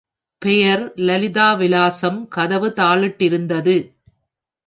பெயர் லலிதாவிலாசம் கதவு தாளிட்டிருந்தது.